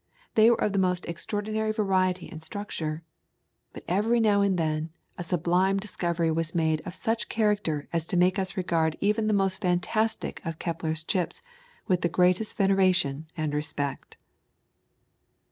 They were of the most extraordinary variety and structure. But every now and then a sublime discovery was made of such a character as to make us regard even the most fantastic of Kepler's chips with the greatest veneration and respect.